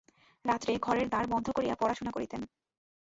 রাত্রে ঘরের দ্বার বন্ধ করিয়া পড়াশুনা করিতেন।